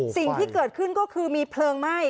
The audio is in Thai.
สิ่งที่เกิดขึ้นก็คือมีเพลิงไหม้